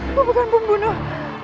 aku bukan pembunuh